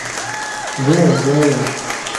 زه یو انجنير یم.